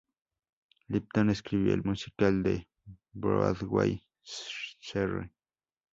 Lipton escribió el musical de Broadway "Sherry!